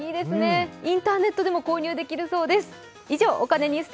インターネットでも購入できるそうです。